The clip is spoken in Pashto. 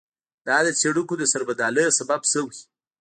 دا د څېړونکو د سربدالۍ سبب شوی.